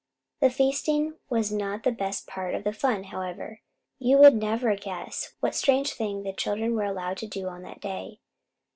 The feasting was not the best part of the fun, however. You would never guess what strange thing the children were allowed to do on that day.